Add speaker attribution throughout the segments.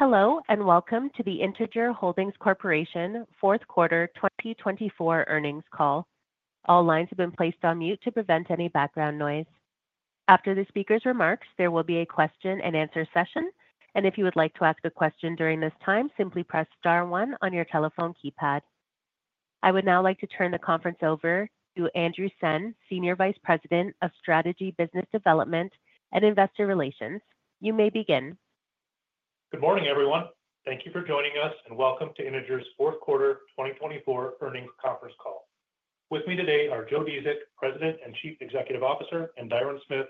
Speaker 1: Hello, and welcome to the Integer Holdings Corporation Fourth Quarter 2024 Earnings Call. All lines have been placed on mute to prevent any background noise. After the speaker's remarks, there will be a question-and-answer session, and if you would like to ask a question during this time, simply press star one on your telephone keypad. I would now like to turn the conference over to Andrew Senn, Senior Vice President of Strategy, Business Development, and Investor Relations. You may begin.
Speaker 2: Good morning, everyone. Thank you for joining us, and welcome to Integer's Fourth Quarter 2024 Earnings Conference Call. With me today are Joe Dziedzic, President and Chief Executive Officer, and Diron Smith,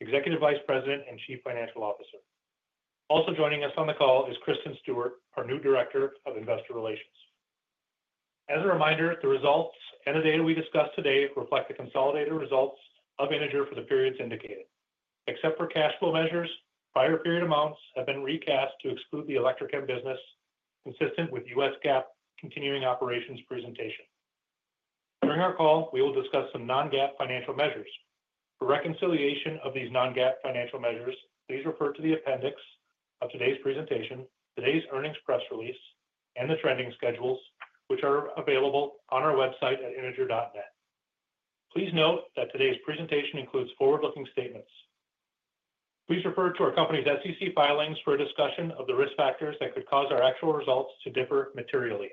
Speaker 2: Executive Vice President and Chief Financial Officer. Also joining us on the call is Kristen Stewart, our new Director of Investor Relations. As a reminder, the results and the data we discuss today reflect the consolidated results of Integer for the periods indicated. Except for cash flow measures, prior period amounts have been recast to exclude the Electrochem business, consistent with U.S. GAAP Continuing Operations presentation. During our call, we will discuss some non-GAAP financial measures. For reconciliation of these non-GAAP financial measures, please refer to the appendix of today's presentation, today's earnings press release, and the trending schedules, which are available on our website at integer.net. Please note that today's presentation includes forward-looking statements. Please refer to our company's SEC filings for a discussion of the risk factors that could cause our actual results to differ materially.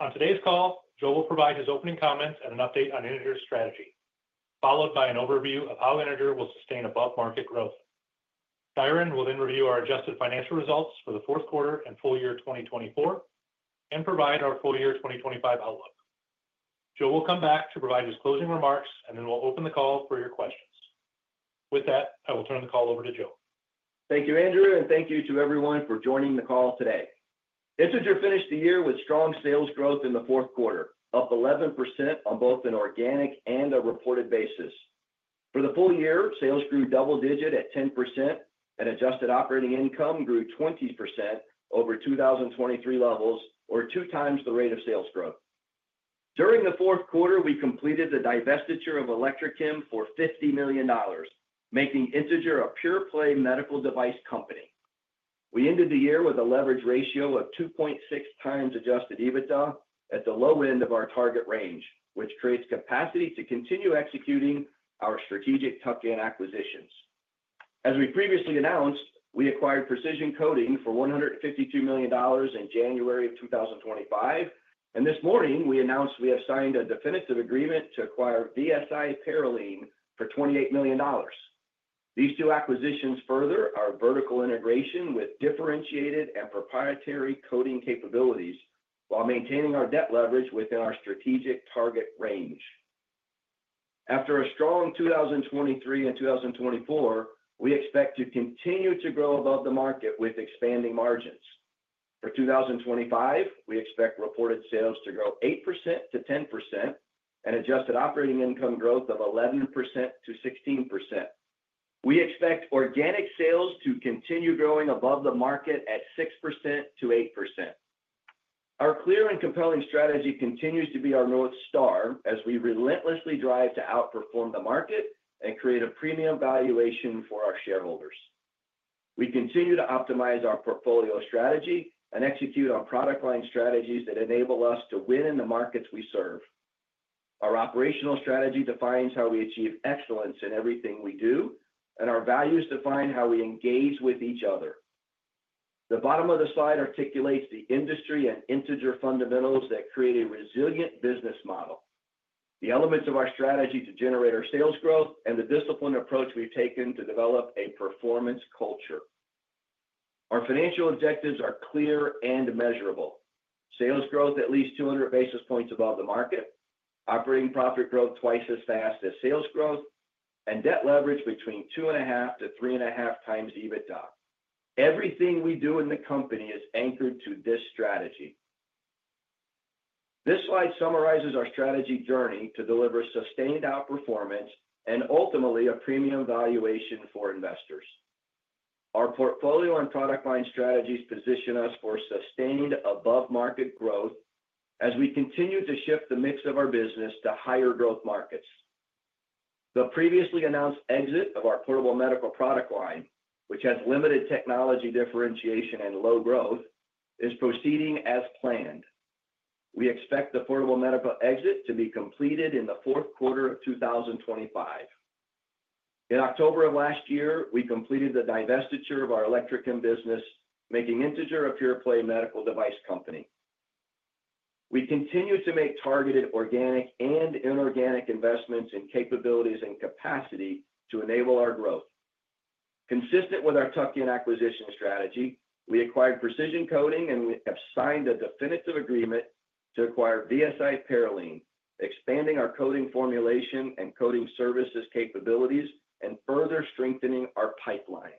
Speaker 2: On today's call, Joe will provide his opening comments and an update on Integer's strategy, followed by an overview of how Integer will sustain above-market growth. Diron will then review our adjusted financial results for the Q4 and full year 2024, and provide our full year 2025 outlook. Joe will come back to provide his closing remarks, and then we'll open the call for your questions. With that, I will turn the call over to Joe.
Speaker 3: Thank you, Andrew, and thank you to everyone for joining the call today. Integer finished the year with strong sales growth in the Q4, up 11% on both an organic and a reported basis. For the full year, sales grew double-digit at 10%, and Adjusted Operating Income grew 20% over 2023 levels, or two times the rate of sales growth. During the Q4, we completed the divestiture of Electrochem for $50 million, making Integer a pure-play medical device company. We ended the year with a leverage ratio of 2.6x Adjusted EBITDA at the low end of our target range, which creates capacity to continue executing our strategic tuck-in acquisitions. As we previously announced, we acquired Precision Coating for $152 million in January of 2025, and this morning we announced we have signed a definitive agreement to acquire VSI Parylene for $28 million. These two acquisitions further our vertical integration with differentiated and proprietary coating capabilities while maintaining our debt leverage within our strategic target range. After a strong 2023 and 2024, we expect to continue to grow above the market with expanding margins. For 2025, we expect reported sales to grow 8%-10% and Adjusted Operating Income growth of 11%-16%. We expect organic sales to continue growing above the market at 6%-8%. Our clear and compelling strategy continues to be our North Star as we relentlessly drive to outperform the market and create a premium valuation for our shareholders. We continue to optimize our portfolio strategy and execute on product line strategies that enable us to win in the markets we serve. Our operational strategy defines how we achieve excellence in everything we do, and our values define how we engage with each other. The bottom of the slide articulates the industry and Integer fundamentals that create a resilient business model, the elements of our strategy to generate our sales growth, and the disciplined approach we've taken to develop a performance culture. Our financial objectives are clear and measurable: sales growth at least 200 basis points above the market, operating profit growth twice as fast as sales growth, and debt leverage between 2.5-3.5x EBITDA. Everything we do in the company is anchored to this strategy. This slide summarizes our strategy journey to deliver sustained outperformance and ultimately a premium valuation for investors. Our portfolio and product line strategies position us for sustained above-market growth as we continue to shift the mix of our business to higher growth markets. The previously announced exit of our Portable Medical product line, which has limited technology differentiation and low growth, is proceeding as planned. We expect the Portable Medical exit to be completed in the Q4 of 2025. In October of last year, we completed the divestiture of our Electrochem business, making Integer a pure-play medical device company. We continue to make targeted organic and inorganic investments in capabilities and capacity to enable our growth. Consistent with our tuck-in acquisition strategy, we acquired Precision Coating, and we have signed a definitive agreement to acquire VSI Parylene, expanding our coating formulation and coating services capabilities and further strengthening our pipeline.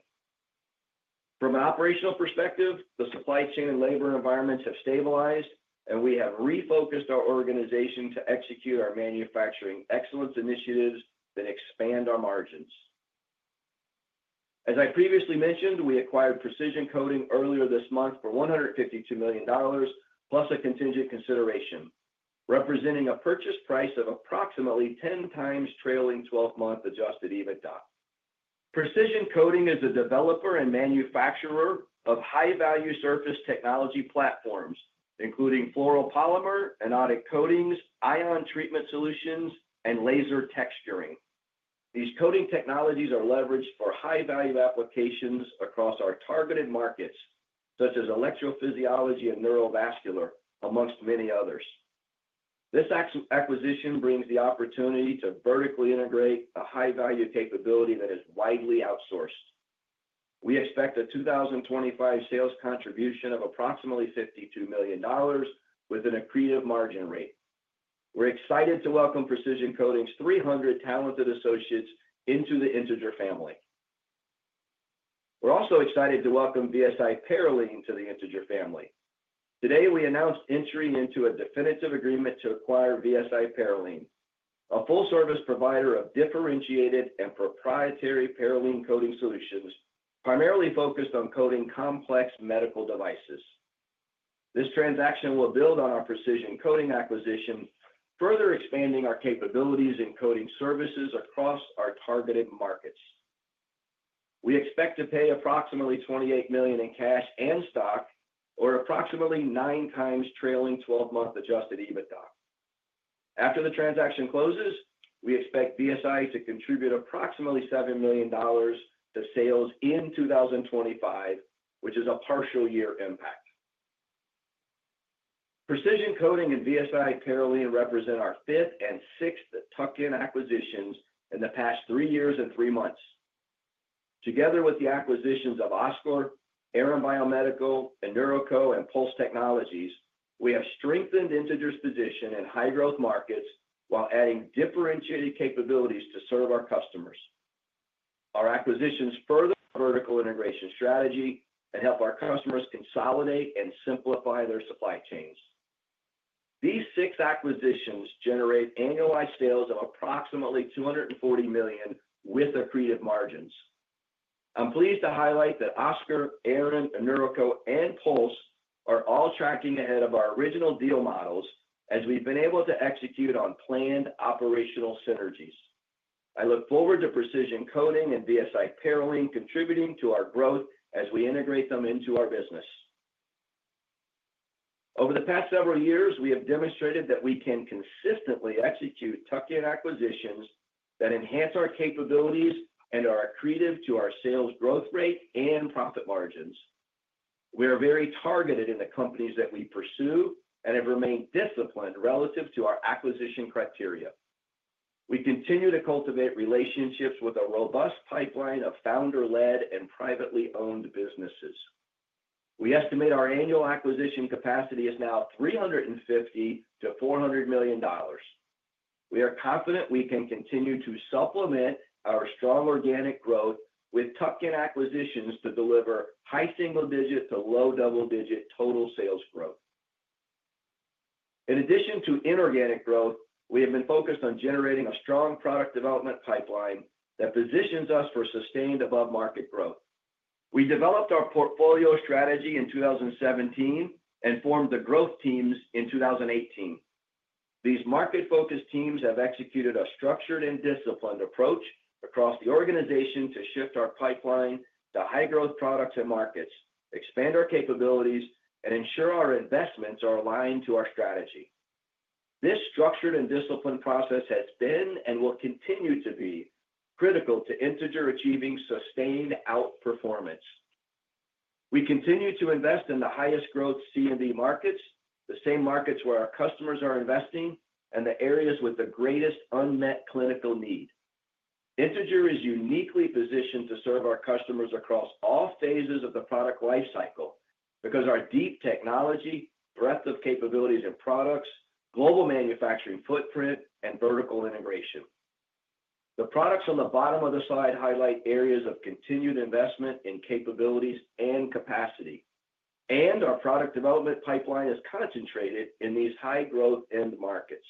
Speaker 3: From an operational perspective, the supply chain and labor environments have stabilized, and we have refocused our organization to execute our manufacturing excellence initiatives that expand our margins. As I previously mentioned, we acquired Precision Coating earlier this month for $152 million, plus a contingent consideration representing a purchase price of approximately 10 times trailing 12-month Adjusted EBITDA. Precision Coating is a developer and manufacturer of high-value surface technology platforms, including fluoropolymer, anodic coatings, ion treatment solutions, and laser texturing. These coating technologies are leveraged for high-value applications across our targeted markets, such as electrophysiology and neurovascular, amongst many others. This acquisition brings the opportunity to vertically integrate a high-value capability that is widely outsourced. We expect a 2025 sales contribution of approximately $52 million with an accretive margin rate. We're excited to welcome Precision Coating's 300 talented associates into the Integer family. We're also excited to welcome VSI Parylene to the Integer family. Today, we announced entering into a definitive agreement to acquire VSI Parylene, a full-service provider of differentiated and proprietary Parylene coating solutions, primarily focused on coating complex medical devices. This transaction will build on our Precision Coating acquisition, further expanding our capabilities and coating services across our targeted markets. We expect to pay approximately $28 million in cash and stock, or approximately nine times trailing 12-month Adjusted EBITDA. After the transaction closes, we expect VSI to contribute approximately $7 million to sales in 2025, which is a partial year impact. Precision Coating and VSI Parylene represent our fifth and sixth tuck-in acquisitions in the past three years and three months. Together with the acquisitions of Oscor, Aran Biomedical, InNeuroCo, and Pulse Technologies, we have strengthened Integer's position in high-growth markets while adding differentiated capabilities to serve our customers. Our acquisitions further vertical integration strategy and help our customers consolidate and simplify their supply chains. These six acquisitions generate annualized sales of approximately $240 million with accretive margins. I'm pleased to highlight that Oscor, Aran, InNeuroCo, and Pulse are all tracking ahead of our original deal models as we've been able to execute on planned operational synergies. I look forward to Precision Coating and VSI Parylene contributing to our growth as we integrate them into our business. Over the past several years, we have demonstrated that we can consistently execute tuck-in acquisitions that enhance our capabilities and are accretive to our sales growth rate and profit margins. We are very targeted in the companies that we pursue and have remained disciplined relative to our acquisition criteria. We continue to cultivate relationships with a robust pipeline of founder-led and privately owned businesses. We estimate our annual acquisition capacity is now $350 to 400 million. We are confident we can continue to supplement our strong organic growth with tuck-in acquisitions to deliver high single-digit to low double-digit total sales growth. In addition to inorganic growth, we have been focused on generating a strong product development pipeline that positions us for sustained above-market growth. We developed our portfolio strategy in 2017 and formed the growth teams in 2018. These market-focused teams have executed a structured and disciplined approach across the organization to shift our pipeline to high-growth products and markets, expand our capabilities, and ensure our investments are aligned to our strategy. This structured and disciplined process has been and will continue to be critical to Integer achieving sustained outperformance. We continue to invest in the highest growth C&V markets, the same markets where our customers are investing, and the areas with the greatest unmet clinical need. Integer is uniquely positioned to serve our customers across all phases of the product lifecycle because of our deep technology, breadth of capabilities and products, global manufacturing footprint, and vertical integration. The products on the bottom of the slide highlight areas of continued investment in capabilities and capacity, and our product development pipeline is concentrated in these high-growth end markets.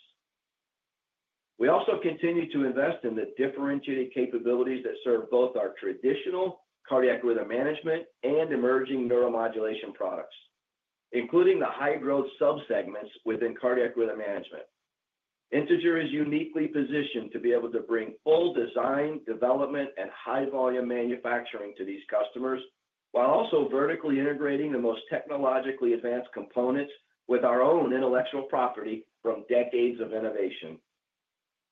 Speaker 3: We also continue to invest in the differentiated capabilities that serve both our traditional Cardiac Rhythm Management and emerging Neuromodulation products, including the high-growth subsegments within Cardiac Rhythm Management. Integer is uniquely positioned to be able to bring full design, development, and high-volume manufacturing to these customers while also vertically integrating the most technologically advanced components with our own intellectual property from decades of innovation.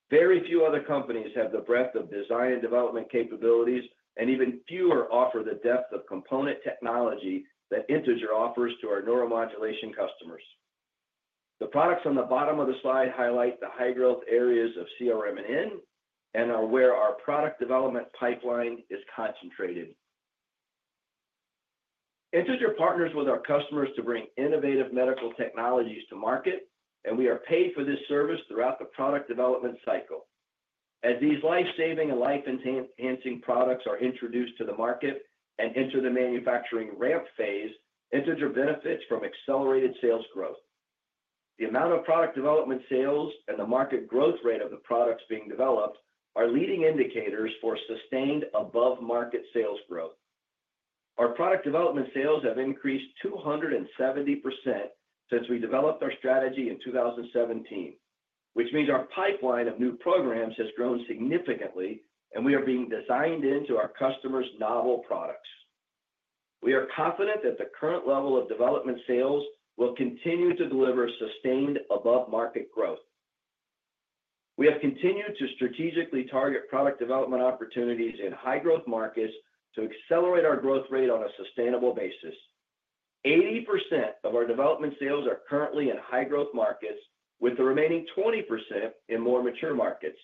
Speaker 3: Very few other companies have the breadth of design and development capabilities, and even fewer offer the depth of component technology that Integer offers to our Neuromodulation customers. The products on the bottom of the slide highlight the high-growth areas of CRM&N, and are where our product development pipeline is concentrated. Integer partners with our customers to bring innovative medical technologies to market, and we are paid for this service throughout the product development cycle. As these life-saving and life-enhancing products are introduced to the market and enter the manufacturing ramp phase, Integer benefits from accelerated sales growth. The amount of product development sales and the market growth rate of the products being developed are leading indicators for sustained above-market sales growth. Our product development sales have increased 270% since we developed our strategy in 2017, which means our pipeline of new programs has grown significantly, and we are being designed into our customers' novel products. We are confident that the current level of development sales will continue to deliver sustained above-market growth. We have continued to strategically target product development opportunities in high-growth markets to accelerate our growth rate on a sustainable basis. 80% of our development sales are currently in high-growth markets, with the remaining 20% in more mature markets.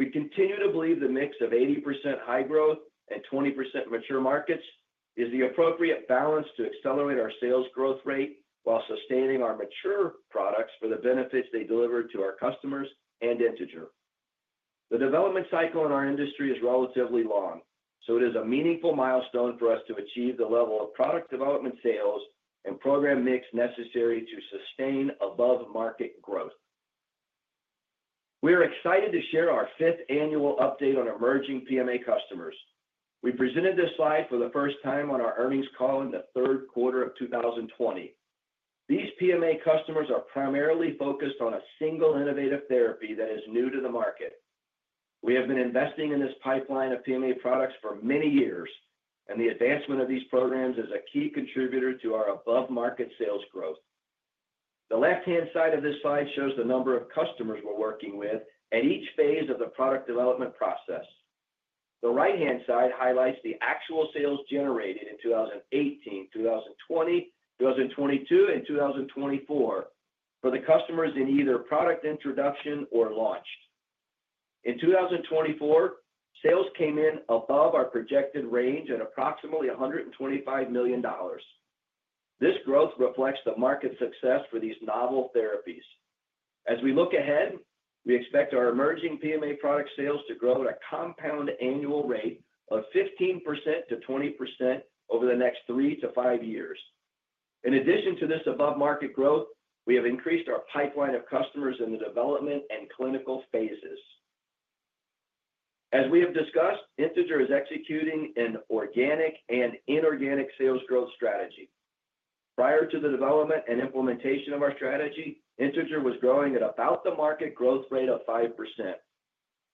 Speaker 3: We continue to believe the mix of 80% high-growth and 20% mature markets is the appropriate balance to accelerate our sales growth rate while sustaining our mature products for the benefits they deliver to our customers and Integer. The development cycle in our industry is relatively long, so it is a meaningful milestone for us to achieve the level of product development sales and program mix necessary to sustain above-market growth. We are excited to share our fifth annual update on emerging PMA customers. We presented this slide for the first time on our earnings call in the Q3 of 2020. These PMA customers are primarily focused on a single innovative therapy that is new to the market. We have been investing in this pipeline of PMA products for many years, and the advancement of these programs is a key contributor to our above-market sales growth. The left-hand side of this slide shows the number of customers we're working with at each phase of the product development process. The right-hand side highlights the actual sales generated in 2018, 2020, 2022, and 2024 for the customers in either product introduction or launch. In 2024, sales came in above our projected range at approximately $125 million. This growth reflects the market success for these novel therapies. As we look ahead, we expect our emerging PMA product sales to grow at a compound annual rate of 15% to 20% over the next three to five years. In addition to this above-market growth, we have increased our pipeline of customers in the development and clinical phases. As we have discussed, Integer is executing an organic and inorganic sales growth strategy. Prior to the development and implementation of our strategy, Integer was growing at about the market growth rate of 5%.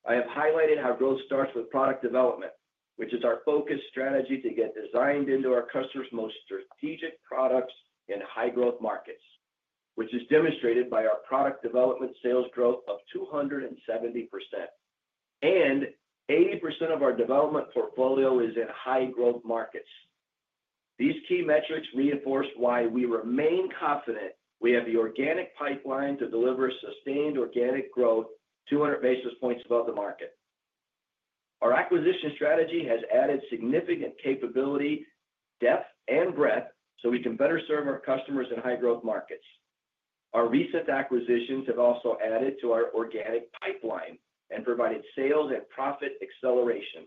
Speaker 3: I have highlighted how growth starts with product development, which is our focus strategy to get designed into our customers' most strategic products in high-growth markets, which is demonstrated by our product development sales growth of 270%. And 80% of our development portfolio is in high-growth markets. These key metrics reinforce why we remain confident we have the organic pipeline to deliver sustained organic growth 200 basis points above the market. Our acquisition strategy has added significant capability, depth, and breadth so we can better serve our customers in high-growth markets. Our recent acquisitions have also added to our organic pipeline and provided sales and profit acceleration.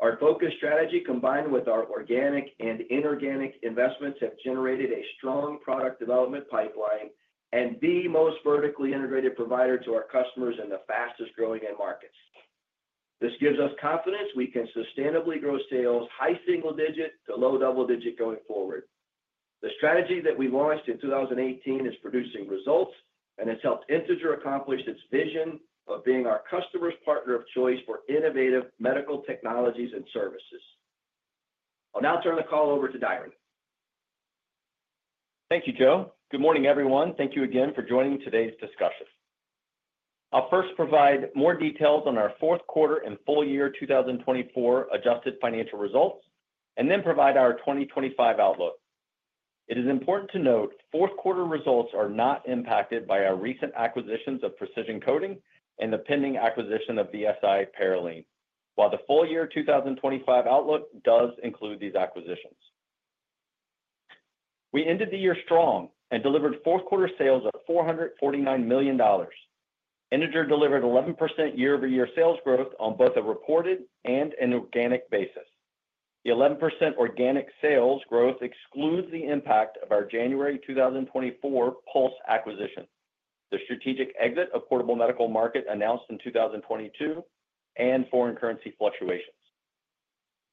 Speaker 3: Our focus strategy, combined with our organic and inorganic investments, has generated a strong product development pipeline and the most vertically integrated provider to our customers in the fastest-growing end markets. This gives us confidence we can sustainably grow sales high single-digit to low double-digit going forward. The strategy that we launched in 2018 is producing results, and it's helped Integer accomplish its vision of being our customer's partner of choice for innovative medical technologies and services. I'll now turn the call over to Diron.
Speaker 4: Thank you, Joe. Good morning, everyone. Thank you again for joining today's discussion. I'll first provide more details on our Q4 and full year 2024 adjusted financial results, and then provide our 2025 outlook. It is important to note Q4 results are not impacted by our recent acquisitions of Precision Coating and the pending acquisition of VSI Parylene, while the full year 2025 outlook does include these acquisitions. We ended the year strong and delivered Q4 sales of $449 million. Integer delivered 11% year-over-year sales growth on both a reported and an organic basis. The 11% organic sales growth excludes the impact of our January 2024 Pulse acquisition, the strategic exit of Portable Medical market announced in 2022, and foreign currency fluctuations.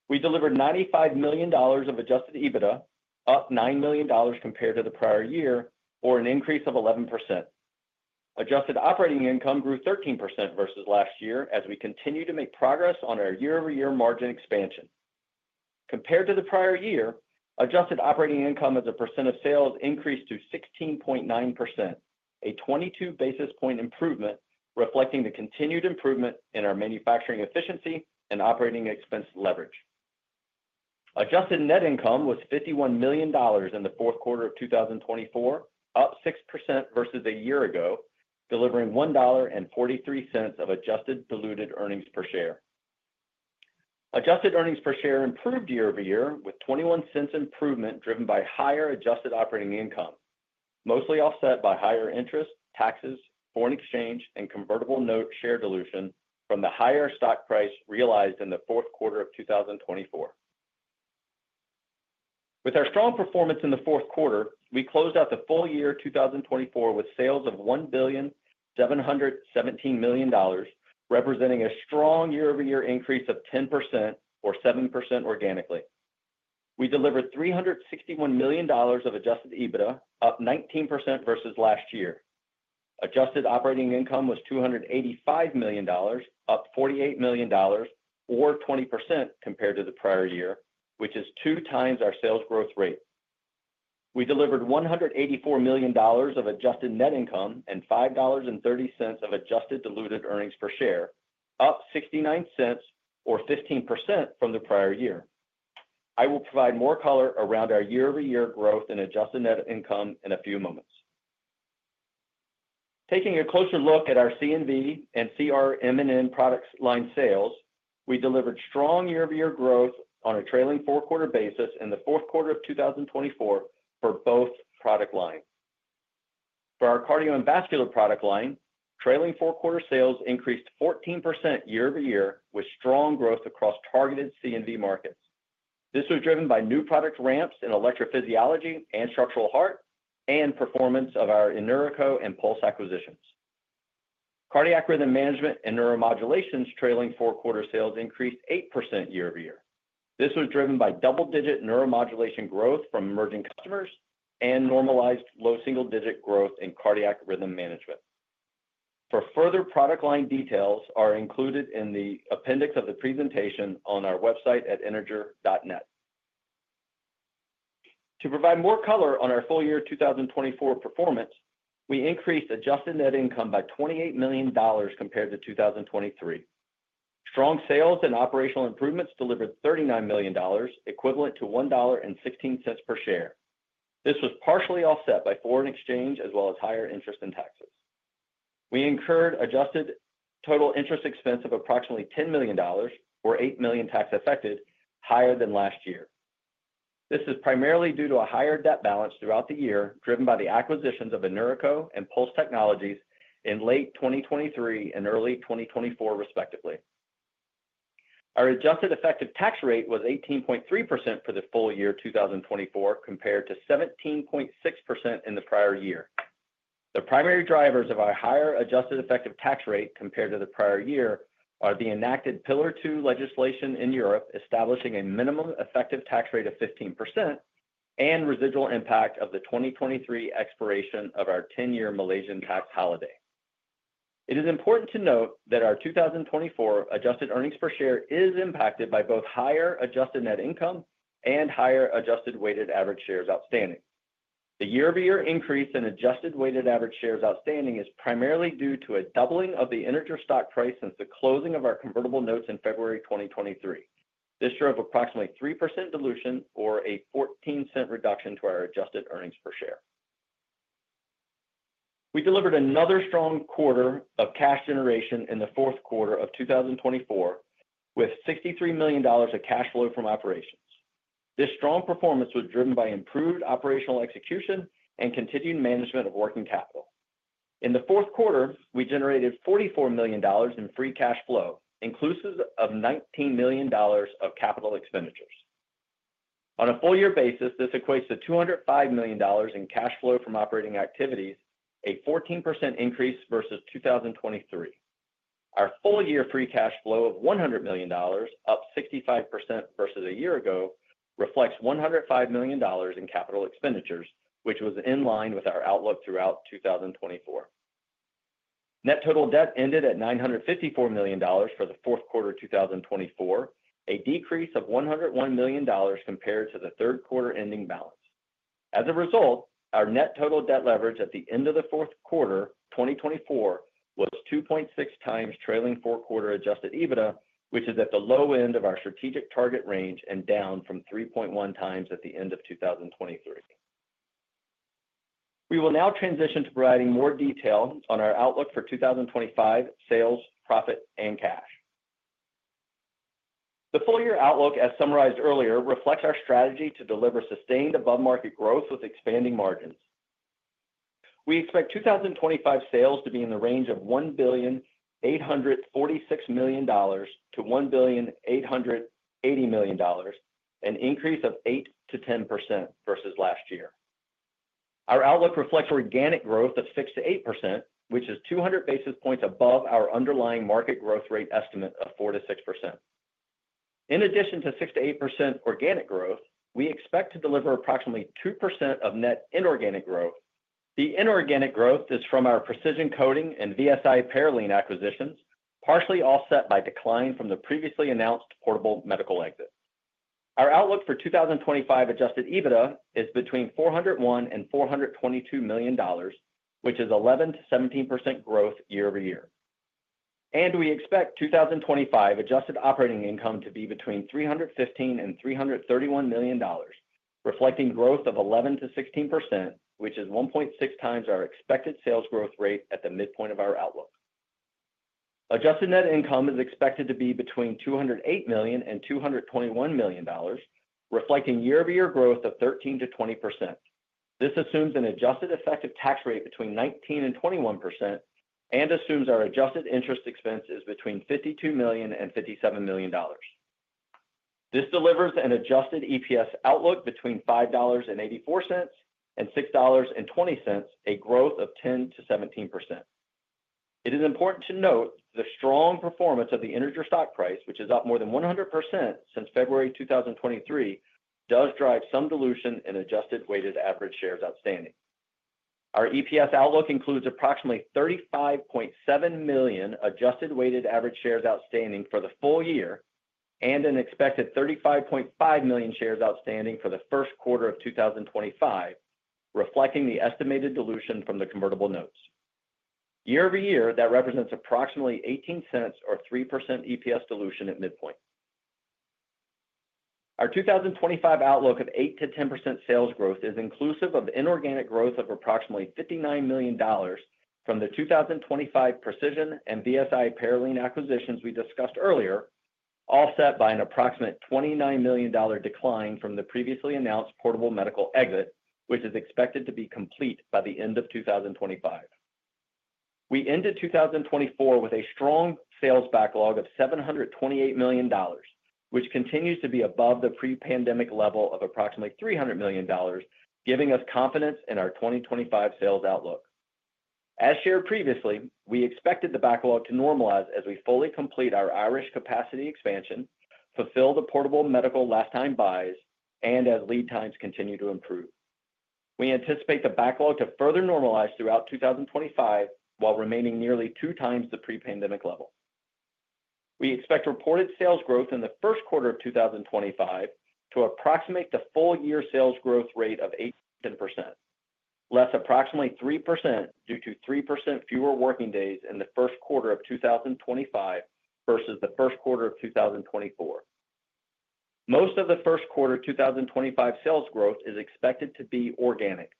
Speaker 4: We delivered $95 million of Adjusted EBITDA, up $9 million compared to the prior year, or an increase of 11%. Adjusted Operating Income grew 13% versus last year as we continue to make progress on our year-over-year margin expansion. Compared to the prior year, Adjusted Operating Income as a percent of sales increased to 16.9%, a 22 basis point improvement reflecting the continued improvement in our manufacturing efficiency and operating expense leverage. Adjusted Net Income was $51 million in the Q4 of 2024, up 6% versus a year ago, delivering $1.43 of Adjusted Diluted Earnings Per Share. Adjusted earnings per share improved year-over-year with $0.21 improvement driven by higher Adjusted Operating Income, mostly offset by higher interest, taxes, foreign exchange, and convertible note share dilution from the higher stock price realized in the Q4 of 2024. With our strong performance in the Q4, we closed out the full year 2024 with sales of $1.717 billion, representing a strong year-over-year increase of 10% or 7% organically. We delivered $361 million of Adjusted EBITDA, up 19% versus last year. Adjusted Operating Income was $285 million, up $48 million, or 20% compared to the prior year, which is two times our sales growth rate. We delivered $184 million of Adjusted Net Income and $5.30 of Adjusted Diluted Earnings Per Share, up $0.69 or 15% from the prior year. I will provide more color around our year-over-year growth and Adjusted Net Income in a few moments. Taking a closer look at our C&V and CRM&N product line sales, we delivered strong year-over-year growth on a trailing four-quarter basis in the Q4 of 2024 for both product lines. For our Cardio and Vascular product line, trailing four-quarter sales increased 14% year-over-year with strong growth across targeted C&V markets. This was driven by new product ramps in electrophysiology and structural heart and performance of our InNeuroCo and Pulse acquisitions. Cardiac Rhythm Management and Neuromodulation's trailing four-quarter sales increased 8% year-over-year. This was driven by double-digit Neuromodulation growth from emerging customers and normalized low single-digit growth in Cardiac Rhythm Management. For further product line details, are included in the appendix of the presentation on our website at integer.net. To provide more color on our full year 2024 performance, we increased Adjusted Net Income by $28 million compared to 2023. Strong sales and operational improvements delivered $39 million, equivalent to $1.16 per share. This was partially offset by foreign exchange as well as higher interest and taxes. We incurred adjusted total interest expense of approximately $10 million, or $8 million tax affected, higher than last year. This is primarily due to a higher debt balance throughout the year driven by the acquisitions of InNeuroCo and Pulse Technologies in late 2023 and early 2024, respectively. Our adjusted effective tax rate was 18.3% for the full year 2024 compared to 17.6% in the prior year. The primary drivers of our higher adjusted effective tax rate compared to the prior year are the enacted Pillar Two legislation in Europe establishing a minimum effective tax rate of 15% and residual impact of the 2023 expiration of our 10-year Malaysian tax holiday. It is important to note that our 2024 adjusted earnings per share is impacted by both higher Adjusted Net Income and higher adjusted weighted average shares outstanding. The year-over-year increase in adjusted weighted average shares outstanding is primarily due to a doubling of the equity stock price since the closing of our convertible notes in February 2023. This drove approximately 3% dilution, or a $0.14 reduction to our adjusted earnings per share. We delivered another strong quarter of cash generation in the Q4 of 2024 with $63 million of cash flow from operations. This strong performance was driven by improved operational execution and continued management of working capital. In the Q4, we generated $44 million in free cash flow, inclusive of $19 million of capital expenditures. On a full year basis, this equates to $205 million in cash flow from operating activities, a 14% increase versus 2023. Our full year free cash flow of $100 million, up 65% versus a year ago, reflects $105 million in capital expenditures, which was in line with our outlook throughout 2024. Net total debt ended at $954 million for the Q4 of 2024, a decrease of $101 million compared to the Q3 ending balance. As a result, our net total debt leverage at the end of the Q4 2024 was 2.6x trailing four-quarter Adjusted EBITDA, which is at the low end of our strategic target range and down from 3.1x at the end of 2023. We will now transition to providing more detail on our outlook for 2025 sales, profit, and cash. The full year outlook, as summarized earlier, reflects our strategy to deliver sustained above-market growth with expanding margins. We expect 2025 sales to be in the range of $1.846 to $1.880 million, an increase of 8% to 10% versus last year. Our outlook reflects organic growth of 6%-8%, which is 200 basis points above our underlying market growth rate estimate of 4%-6%. In addition to 6%-8% organic growth, we expect to deliver approximately 2% of net inorganic growth. The inorganic growth is from our Precision Coating and VSI Parylene acquisitions, partially offset by decline from the previously announced Portable Medical exit. Our outlook for 2025 Adjusted EBITDA is between $401 and $422 million, which is 11% to 17% growth year-over-year, and we expect 2025 Adjusted Operating Income to be between $315 and $331 million, reflecting growth of 11% to 16%, which is 1.6 times our expected sales growth rate at the midpoint of our outlook. Adjusted net income is expected to be between $208 million and $221 million, reflecting year-over-year growth of 13%-20%. This assumes an adjusted effective tax rate between 19% and 21% and assumes our adjusted interest expenses between $52 million and $57 million. This delivers an adjusted EPS outlook between $5.84 and $6.20, a growth of 10%-17%. It is important to note the strong performance of the Integer stock price, which is up more than 100% since February 2023, does drive some dilution in adjusted weighted average shares outstanding. Our EPS outlook includes approximately 35.7 million adjusted weighted average shares outstanding for the full year and an expected 35.5 million shares outstanding for the Q1 of 2025, reflecting the estimated dilution from the convertible notes. Year-over-year, that represents approximately $0.18 or 3% EPS dilution at midpoint. Our 2025 outlook of 8%-10% sales growth is inclusive of inorganic growth of approximately $59 million from the 2025 Precision and VSI Parylene acquisitions we discussed earlier, offset by an approximate $29 million decline from the previously announced Portable Medical exit, which is expected to be complete by the end of 2025. We ended 2024 with a strong sales backlog of $728 million, which continues to be above the pre-pandemic level of approximately $300 million, giving us confidence in our 2025 sales outlook. As shared previously, we expected the backlog to normalize as we fully complete our Irish capacity expansion, fulfill the Portable Medical last-time buys, and as lead times continue to improve. We anticipate the backlog to further normalize throughout 2025 while remaining nearly two times the pre-pandemic level. We expect reported sales growth in the Q1 of 2025 to approximate the full year sales growth rate of 18%, less approximately 3% due to 3% fewer working days in the Q1 of 2025 versus the Q1 of 2024. Most of the Q1 2025 sales growth is expected to be organic,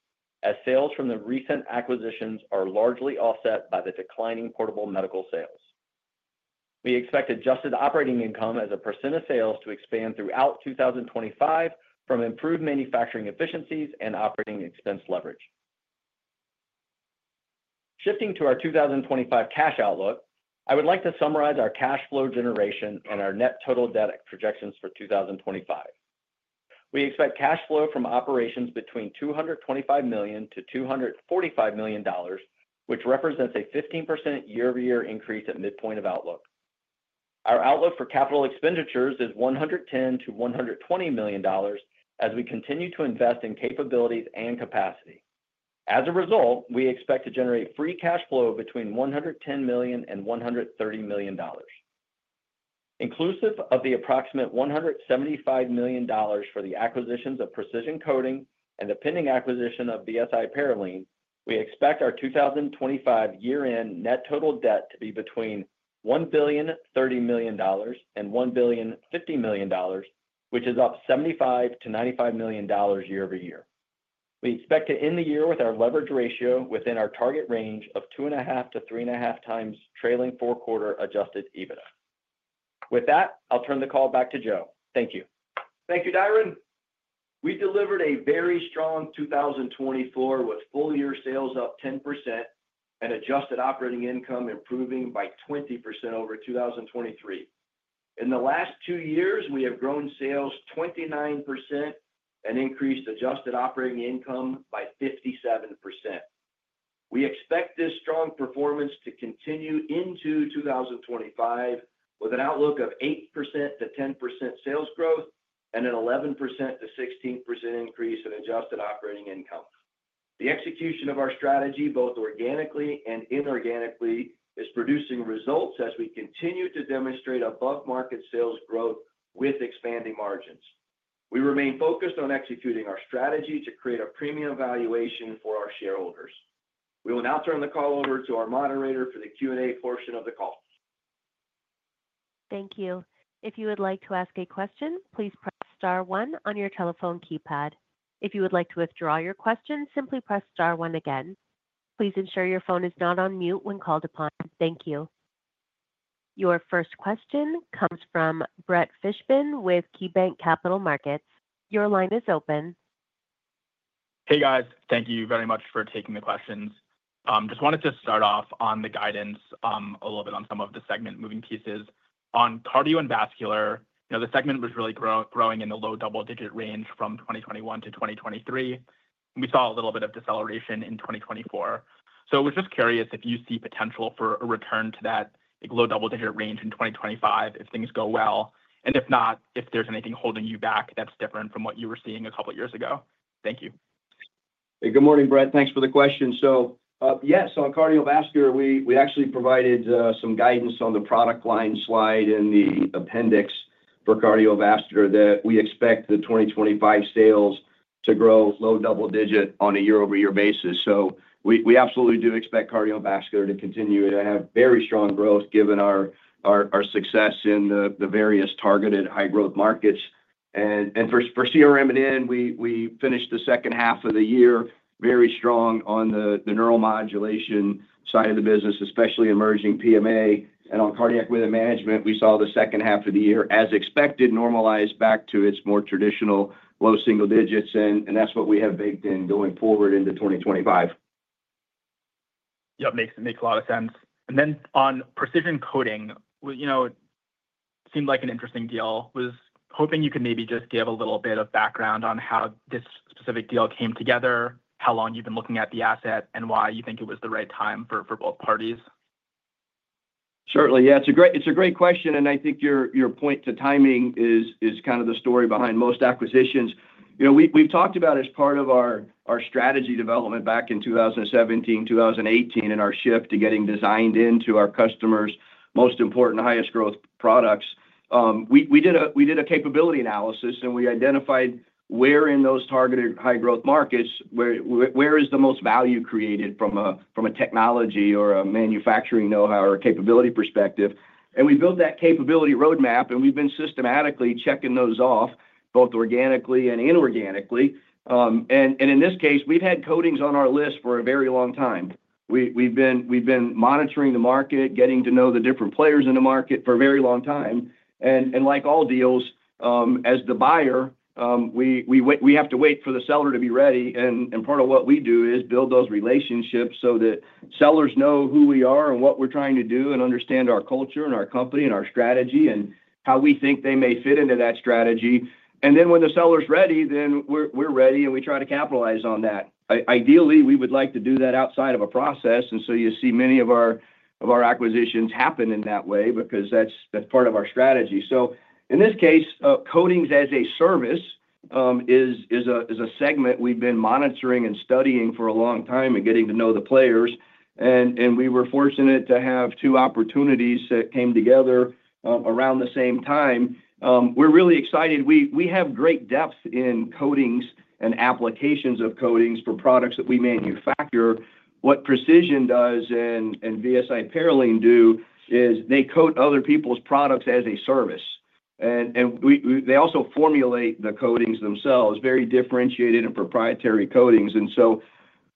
Speaker 4: as sales from the recent acquisitions are largely offset by the declining Portable Medical sales. We expect Adjusted Operating Income as a percent of sales to expand throughout 2025 from improved manufacturing efficiencies and operating expense leverage. Shifting to our 2025 cash outlook, I would like to summarize our cash flow generation and our net total debt projections for 2025. We expect cash flow from operations between $225 to 245 million, which represents a 1-5% year-over-year increase at midpoint of outlook. Our outlook for capital expenditures is $110 to 120 million as we continue to invest in capabilities and capacity. As a result, we expect to generate free cash flow beteen $110 million and $130 million. Inclusive of the approximate $175 million for the acquisitions of Precision Coating and the pending acquisition of VSI Parylene, we expect our 2025 year-end net total debt to be between $1.030 billion and $1.050 billion, which is up $75 to $95 million year-over-year. We expect to end the year with our leverage ratio within our target range of 2.5 to 3.5 times trailing four-quarter Adjusted EBITDA. With that, I'll turn the call back to Joe. Thank you.
Speaker 3: Thank you, Diron. We delivered a very strong 2024 with full year sales up 10% and Adjusted Operating Income improving by 20% over 2023. In the last two years, we have grown sales 29% and increased Adjusted Operating Income by 57%. We expect this strong performance to continue into 2025 with an outlook of 8% to 10% sales growth and an 11% to 16% increase in Adjusted Operating Income. The execution of our strategy, both organically and inorganically, is producing results as we continue to demonstrate above-market sales growth with expanding margins. We remain focused on executing our strategy to create a premium valuation for our shareholders. We will now turn the call over to our moderator for the Q&A portion of the call.
Speaker 1: Thank you. If you would like to ask a question, please press star one on your telephone keypad. If you would like to withdraw your question, simply press star one again. Please ensure your phone is not on mute when called upon. Thank you. Your first question comes from Brett Fishbin with KeyBanc Capital Markets. Your line is open.
Speaker 5: Hey, guys. Thank you very much for taking the questions. Just wanted to start off on the guidance a little bit on some of the segment moving pieces. On Cardio and Vascular, the segment was really growing in the low double-digit range from 2021 to 2023. We saw a little bit of deceleration in 2024. So I was just curious if you see potential for a return to that low double-digit range in 2025 if things go well. And if not, if there's anything holding you back that's different from what you were seeing a couple of years ago. Thank you.
Speaker 3: Hey, good morning, Brett. Thanks for the question. So yes, on cardiovascular, we actually provided some guidance on the product line slide in the appendix for cardiovascular that we expect the 2025 sales to grow low double-digit on a year-over-year basis. So we absolutely do expect cardiovascular to continue to have very strong growth given our success in the various targeted high-growth markets. And for CRM and C&V, we finished the second half of the year very strong on the Neuromodulation side of the business, especially emerging PMA. And on Cardiac Rhythm Management, we saw the second half of the year, as expected, normalize back to its more traditional low single digits. And that's what we have baked in going forward into 2025.
Speaker 5: Yep, makes a lot of sense. And then on Precision Coating, it seemed like an interesting deal. Was hoping you could maybe just give a little bit of background on how this specific deal came together, how long you've been looking at the asset, and why you think it was the right time for both parties?
Speaker 3: Certainly, yeah. It's a great question. And I think your point to timing is kind of the story behind most acquisitions. We've talked about it as part of our strategy development back in 2017, 2018, and our shift to getting designed into our customers' most important highest-growth products. We did a capability analysis, and we identified where in those targeted high-growth markets where is the most value created from a technology or a manufacturing know-how or capability perspective. And we built that capability roadmap, and we've been systematically checking those off, both organically and inorganically. And in this case, we've had coatings on our list for a very long time. We've been monitoring the market, getting to know the different players in the market for a very long time. And like all deals, as the buyer, we have to wait for the seller to be ready. And part of what we do is build those relationships so that sellers know who we are and what we're trying to do and understand our culture and our company and our strategy and how we think they may fit into that strategy. And then when the seller's ready, then we're ready, and we try to capitalize on that. Ideally, we would like to do that outside of a process. And so you see many of our acquisitions happen in that way because that's part of our strategy. So in this case, coatings as a service is a segment we've been monitoring and studying for a long time and getting to know the players. And we were fortunate to have two opportunities that came together around the same time. We're really excited. We have great depth in coatings and applications of coatings for products that we manufacture. What Precision does and VSI Parylene do is they coat other people's products as a service. And they also formulate the coatings themselves, very differentiated and proprietary coatings. And so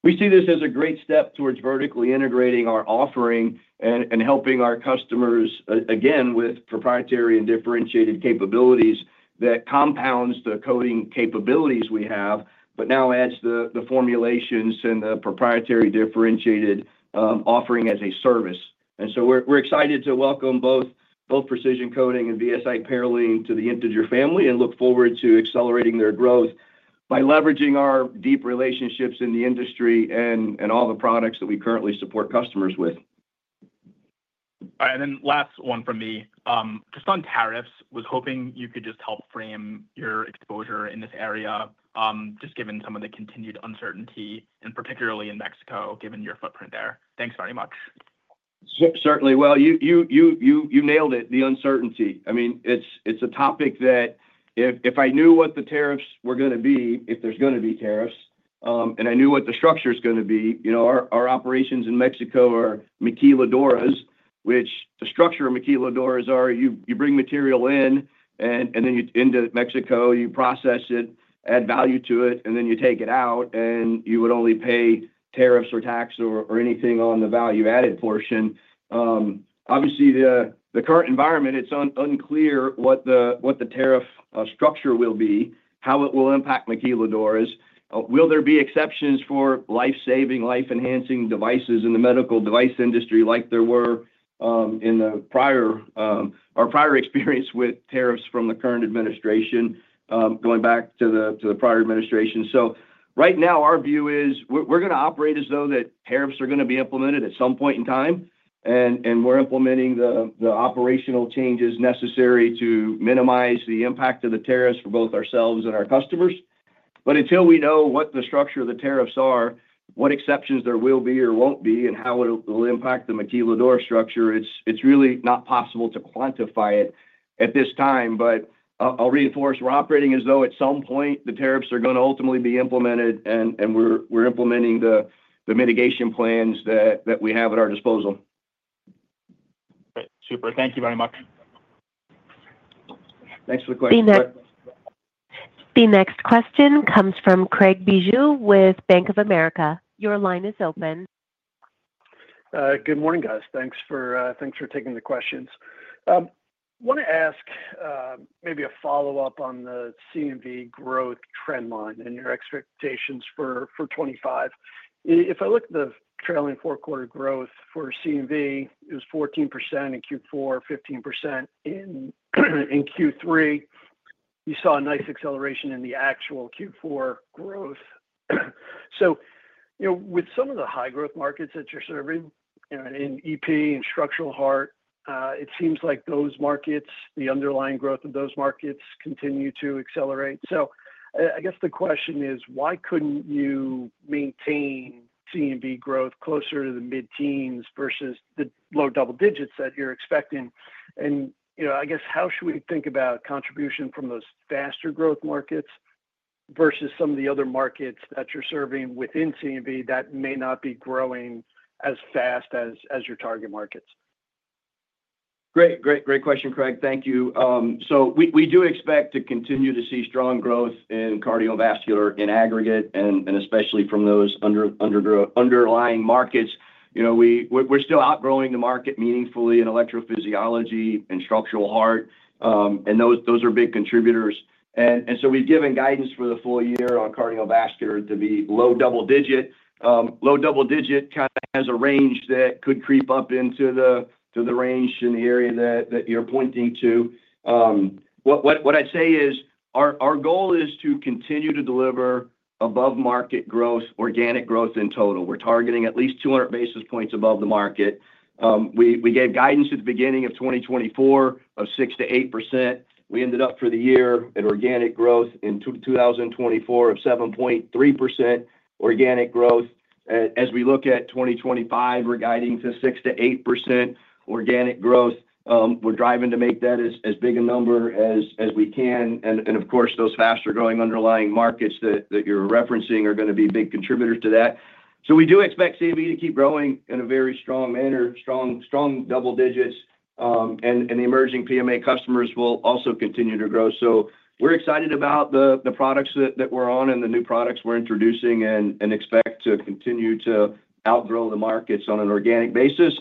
Speaker 3: we see this as a great step towards vertically integrating our offering and helping our customers, again, with proprietary and differentiated capabilities that compounds the coating capabilities we have, but now adds the formulations and the proprietary differentiated offering as a service. And so we're excited to welcome both Precision Coating and VSI Parylene to the Integer family and look forward to accelerating their growth by leveraging our deep relationships in the industry and all the products that we currently support customers with. All right.
Speaker 5: And then last one from me. Just on tariffs, was hoping you could just help frame your exposure in this area, just given some of the continued uncertainty, and particularly in Mexico, given your footprint there? Thanks very much.
Speaker 3: Certainly. Well, you nailed it, the uncertainty. I mean, it's a topic that if I knew what the tariffs were going to be, if there's going to be tariffs, and I knew what the structure is going to be, our operations in Mexico are maquiladoras, which the structure of maquiladoras are. You bring material in, and then you take it into Mexico, you process it, add value to it, and then you take it out, and you would only pay tariffs or tax or anything on the value-added portion. Obviously, in the current environment, it's unclear what the tariff structure will be, how it will impact maquiladoras. Will there be exceptions for life-saving, life-enhancing devices in the medical device industry like there were in our prior experience with tariffs from the current administration, going back to the prior administration? So right now, our view is we're going to operate as though that tariffs are going to be implemented at some point in time. And we're implementing the operational changes necessary to minimize the impact of the tariffs for both ourselves and our customers. But until we know what the structure of the tariffs are, what exceptions there will be or won't be, and how it will impact the maquiladora structure, it's really not possible to quantify it at this time. But I'll reinforce we're operating as though at some point the tariffs are going to ultimately be implemented, and we're implementing the mitigation plans that we have at our disposal.
Speaker 5: Great. Super. Thank you very much.
Speaker 3: Thanks for the question.
Speaker 1: The next question comes from Craig Bijou with Bank of America. Your line is open.
Speaker 6: Good morning, guys. Thanks for taking the questions. I want to ask maybe a follow-up on the C&V growth trend line and your expectations for 2025. If I look at the trailing four-quarter growth for C&V, it was 14% in Q4, 15% in Q3. You saw a nice acceleration in the actual Q4 growth. So with some of the high-growth markets that you're serving, in EP and structural heart, it seems like those markets, the underlying growth of those markets continue to accelerate. So I guess the question is, why couldn't you maintain C&V growth closer to the mid-teens versus the low double digits that you're expecting? I guess, how should we think about contribution from those faster growth markets versus some of the other markets that you're serving within C&V that may not be growing as fast as your target markets?
Speaker 3: Great, great, great question, Craig. Thank you. So we do expect to continue to see strong growth in cardiovascular in aggregate, and especially from those underlying markets. We're still outgrowing the market meaningfully in electrophysiology and structural heart, and those are big contributors. And so we've given guidance for the full year on cardiovascular to be low double digit. Low double digit kind of has a range that could creep up into the range in the area that you're pointing to. What I'd say is our goal is to continue to deliver above-market growth, organic growth in total. We're targeting at least 200 basis points above the market. We gave guidance at the beginning of 2024 of 6% to 8%. We ended up for the year at organic growth in 2024 of 7.3% organic growth. As we look at 2025, we're guiding to 6% to 8% organic growth. We're driving to make that as big a number as we can. And of course, those faster-growing underlying markets that you're referencing are going to be big contributors to that. So we do expect C&V to keep growing in a very strong manner, strong double digits. And the emerging PMA customers will also continue to grow. So we're excited about the products that we're on and the new products we're introducing and expect to continue to outgrow the markets on an organic basis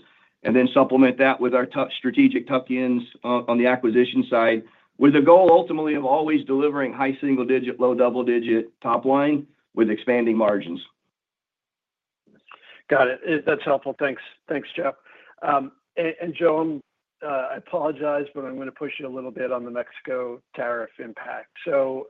Speaker 3: and then supplement that with our strategic tuck-ins on the acquisition side with the goal ultimately of always delivering high single-digit, low double-digit top line with expanding margins.
Speaker 6: Got it. That's helpful. Thanks, Joe. And Diron, I apologize, but I'm going to push you a little bit on the Mexico tariff impact. So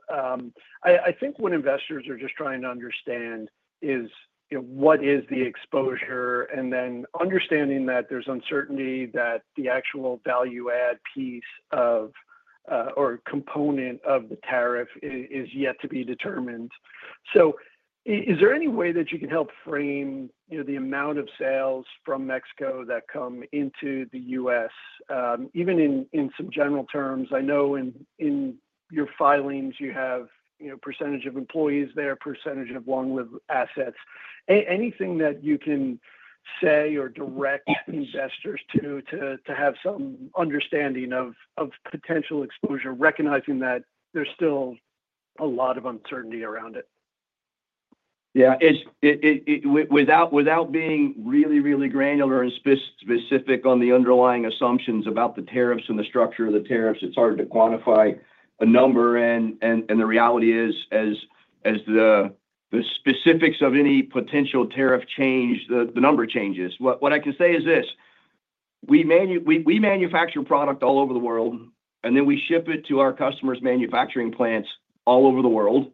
Speaker 6: I think what investors are just trying to understand is what is the exposure and then understanding that there's uncertainty that the actual value-add piece or component of the tariff is yet to be determined. So is there any way that you can help frame the amount of sales from Mexico that come into the U.S., even in some general terms? I know in your filings, you have percentage of employees there, percentage of long-lived assets. Anything that you can say or direct investors to have some understanding of potential exposure, recognizing that there's still a lot of uncertainty around it?
Speaker 3: Yeah. Without being really, really granular and specific on the underlying assumptions about the tariffs and the structure of the tariffs, it's hard to quantify a number. And the reality is, as the specifics of any potential tariff change, the number changes. What I can say is this: we manufacture product all over the world, and then we ship it to our customers' manufacturing plants all over the world.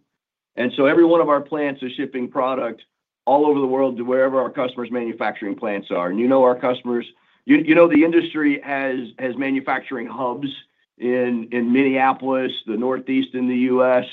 Speaker 3: And so every one of our plants is shipping product all over the world to wherever our customers' manufacturing plants are. And you know our customers. You know the industry has manufacturing hubs in Minneapolis, the Northeast in the U.S.,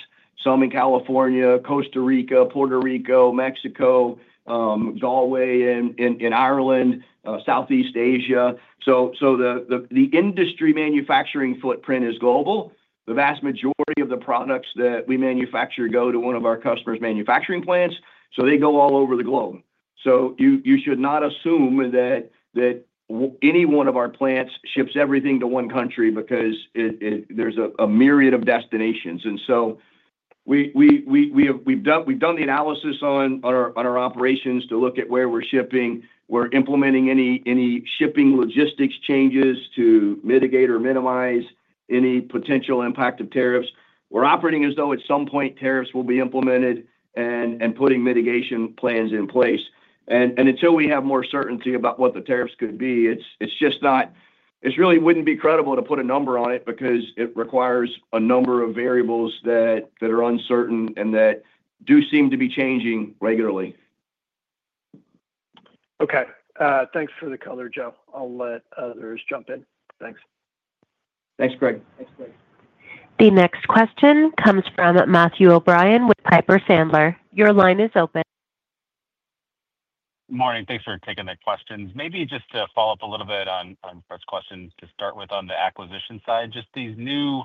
Speaker 3: some in California, Costa Rica, Puerto Rico, Mexico, Galway in Ireland, Southeast Asia. So the industry manufacturing footprint is global. The vast majority of the products that we manufacture go to one of our customers' manufacturing plants. So they go all over the globe. So you should not assume that any one of our plants ships everything to one country because there's a myriad of destinations. And so we've done the analysis on our operations to look at where we're shipping. We're implementing any shipping logistics changes to mitigate or minimize any potential impact of tariffs. We're operating as though at some point tariffs will be implemented, and putting mitigation plans in place. And until we have more certainty about what the tariffs could be, it's just not—it really wouldn't be credible to put a number on it because it requires a number of variables that are uncertain and that do seem to be changing regularly.
Speaker 6: Okay. Thanks for the color, Joe. I'll let others jump in. Thanks.
Speaker 3: Thanks, Craig.
Speaker 1: The next question comes from Matt O'Brien with Piper Sandler. Your line is open.
Speaker 7: Good morning. Thanks for taking the questions. Maybe just to follow up a little bit on first question to start with on the acquisition side, just these new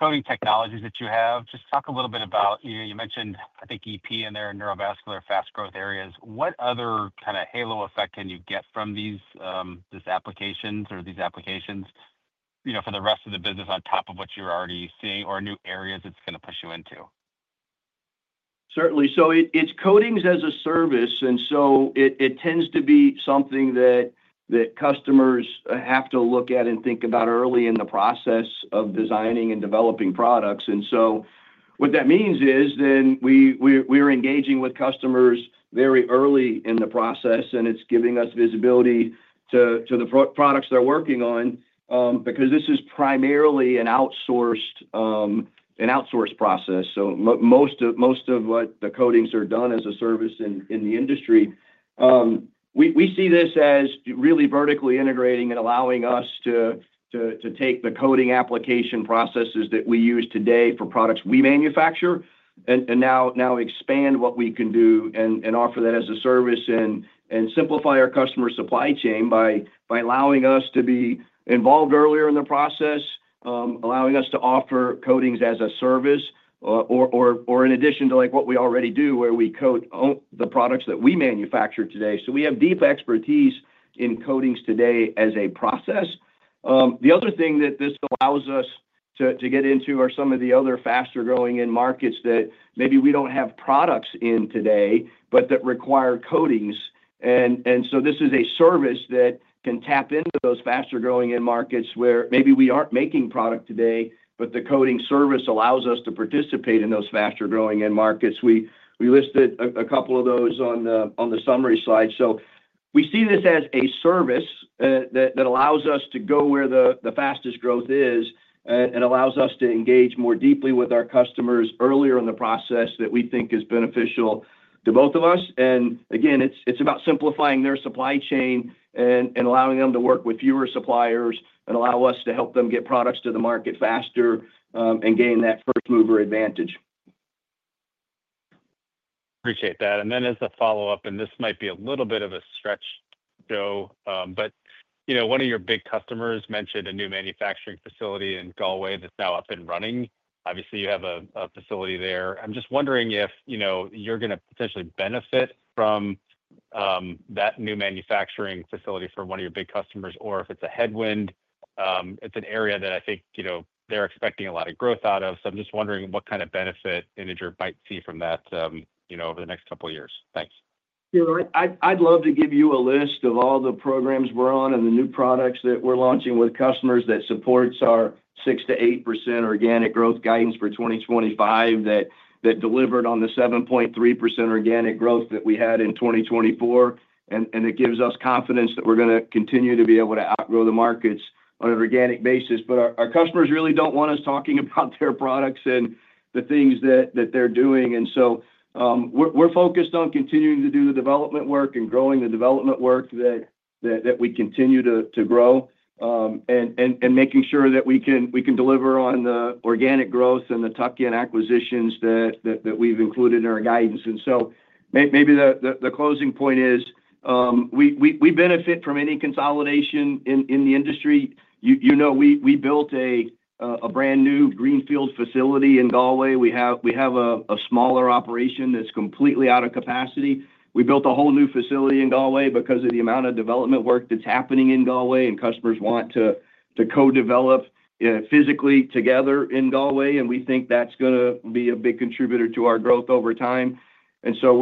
Speaker 7: coating technologies that you have, just talk a little bit about—you mentioned, I think, EP and their neurovascular fast-growth areas. What other kind of halo effect can you get from this application or these applications for the rest of the business on top of what you're already seeing or new areas it's going to push you into?
Speaker 3: Certainly. So it's coatings as a service, and so it tends to be something that customers have to look at and think about early in the process of designing and developing products. And so what that means is then we're engaging with customers very early in the process, and it's giving us visibility to the products they're working on because this is primarily an outsourced process. So, most of what the coatings are done as a service in the industry, we see this as really vertically integrating and allowing us to take the coating application processes that we use today for products we manufacture and now expand what we can do and offer that as a service and simplify our customer supply chain by allowing us to be involved earlier in the process, allowing us to offer coatings as a service or in addition to what we already do, where we coat the products that we manufacture today. So we have deep expertise in coatings today as a process. The other thing that this allows us to get into are some of the other faster-growing end markets that maybe we don't have products in today, but that require coatings. This is a service that can tap into those faster-growing end markets where maybe we aren't making product today, but the coating service allows us to participate in those faster-growing end markets. We listed a couple of those on the summary slide. We see this as a service that allows us to go where the fastest growth is and allows us to engage more deeply with our customers earlier in the process that we think is beneficial to both of us. Again, it's about simplifying their supply chain and allowing them to work with fewer suppliers and allow us to help them get products to the market faster and gain that first-mover advantage.
Speaker 7: Appreciate that. And then as a follow-up, and this might be a little bit of a stretch, Joe, but one of your big customers mentioned a new manufacturing facility in Galway that's now up and running. Obviously, you have a facility there. I'm just wondering if you're going to potentially benefit from that new manufacturing facility for one of your big customers or if it's a headwind. It's an area that I think they're expecting a lot of growth out of. So I'm just wondering what kind of benefit Integer might see from that over the next couple of years. Thanks.
Speaker 3: I'd love to give you a list of all the programs we're on and the new products that we're launching with customers that supports our 6% to 8% organic growth guidance for 2025 that delivered on the 7.3% organic growth that we had in 2024. And it gives us confidence that we're going to continue to be able to outgrow the markets on an organic basis. But our customers really don't want us talking about their products and the things that they're doing. And so we're focused on continuing to do the development work and growing the development work that we continue to grow and making sure that we can deliver on the organic growth and the tuck-in acquisitions that we've included in our guidance. And so maybe the closing point is we benefit from any consolidation in the industry. You know we built a brand new greenfield facility in Galway. We have a smaller operation that's completely out of capacity. We built a whole new facility in Galway because of the amount of development work that's happening in Galway, and customers want to co-develop physically together in Galway. And we think that's going to be a big contributor to our growth over time. And so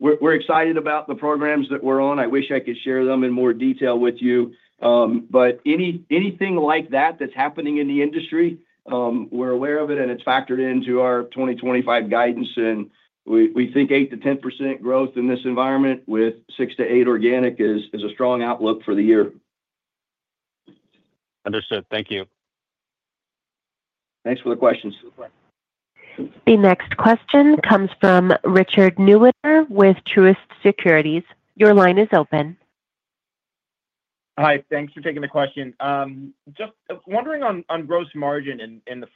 Speaker 3: we're excited about the programs that we're on. I wish I could share them in more detail with you. But anything like that that's happening in the industry, we're aware of it, and it's factored into our 2025 guidance. And we think 8% to 10% growth in this environment with 6% to 8% organic is a strong outlook for the year.
Speaker 7: Understood. Thank you.
Speaker 3: Thanks for the questions.
Speaker 1: The next question comes from Richard Newitter with Truist Securities. Your line is open.
Speaker 8: Hi. Thanks for taking the question. Just wondering on gross margin in the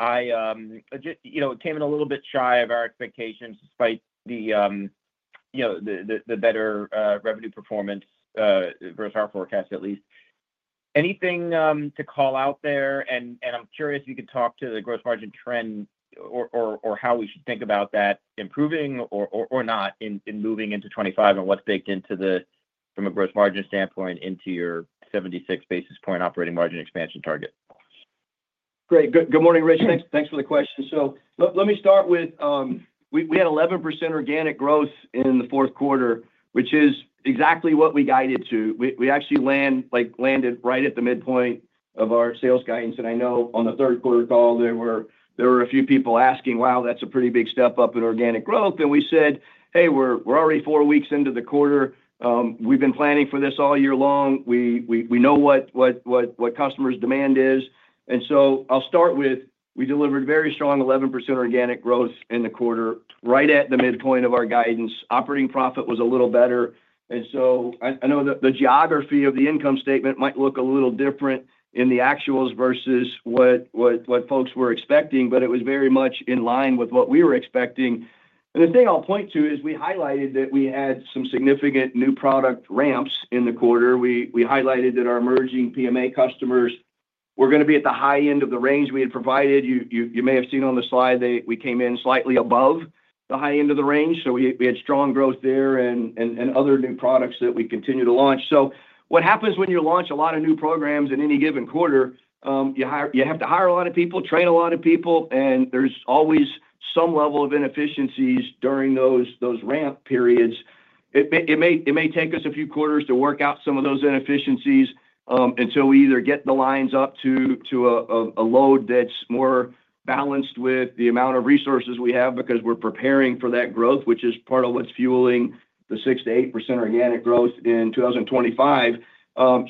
Speaker 8: Q4, it came in a little bit shy of our expectations despite the better revenue performance versus our forecast, at least. Anything to call out there? And I'm curious if you could talk to the gross margin trend or how we should think about that improving or not in moving into 2025 and what's baked into the, from a gross margin standpoint, into your 76 basis points operating margin expansion target.
Speaker 3: Great. Good morning, Rich. Thanks for the question. So let me start with we had 11% organic growth in the Q4, which is exactly what we guided to. We actually landed right at the midpoint of our sales guidance. And I know on the Q3 call, there were a few people asking, "Wow, that's a pretty big step up in organic growth." And we said, "Hey, we're already four weeks into the quarter. We've been planning for this all year long. We know what customers' demand is." And so I'll start with we delivered very strong 11% organic growth in the quarter right at the midpoint of our guidance. Operating profit was a little better. And so I know the geography of the income statement might look a little different in the actuals versus what folks were expecting, but it was very much in line with what we were expecting. And the thing I'll point to is we highlighted that we had some significant new product ramps in the quarter. We highlighted that our emerging PMA customers were going to be at the high end of the range we had provided. You may have seen on the slide that we came in slightly above the high end of the range. So we had strong growth there and other new products that we continue to launch. So what happens when you launch a lot of new programs in any given quarter? You have to hire a lot of people, train a lot of people, and there's always some level of inefficiencies during those ramp periods. It may take us a few quarters to work out some of those inefficiencies until we either get the lines up to a load that's more balanced with the amount of resources we have because we're preparing for that growth, which is part of what's fueling the 6% to 8% organic growth in 2025.